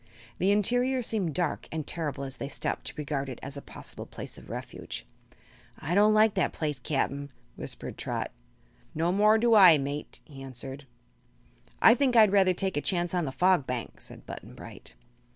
The interior seemed dark and terrible as they stopped to regard it as a possible place of refuge. "Don't like that place, Cap'n," whispered Trot. "No more do I, mate," he answered. "I think I'd rather take a chance on the Fog Bank," said Button Bright.